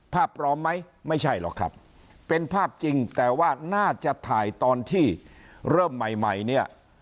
ภาพปลอมไหมไม่ใช่หรอกครับเป็นภาพจริงแต่ว่าน่าจะถ่ายตอนที่เริ่มใหม่ใหม่เนี่ย